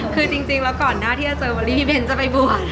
คือจริงแล้วก่อนหน้าที่จะเจอเวอรี่พี่เบ้นจะไปบวช